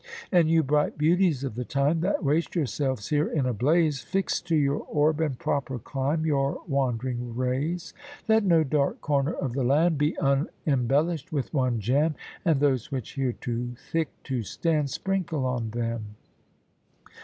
And you bright beauties of the time, That waste yourselves here in a blaze, Fix to your orb and proper clime Your wandering rays. Let no dark corner of the land Be unembellish'd with one gem, And those which here too thick do stand Sprinkle on them.